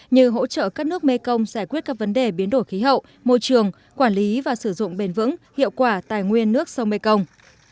như hỗ trợ các nước mê công giải quyết các vấn đề biến đổi khí hậu môi trường quản lý và sử dụng bền vững hiệu quả tài nguyên nước sông mê công